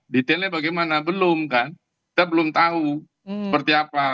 detailnya bagaimana belum kan kita belum tahu seperti apa